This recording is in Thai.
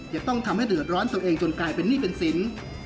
จะต้องทำให้เดือดร้อนตัวเองจนกลายเป็นหนี้เป็นสิน